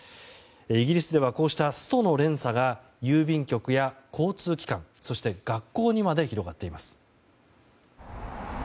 イギリスではこうしたストの連鎖が郵便局や交通機関そして学校にまで広がっています。